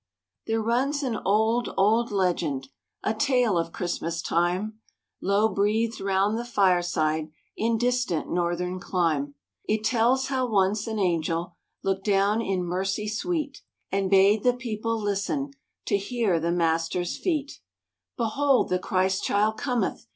There runs an old, old legend, A tale of Christmas time, Low breathed round the fireside In distant Northern clime; It tells how once an angel Looked down in mercy sweet, And bade the people listen To hear the Master's feet: "Behold the Christ child cometh!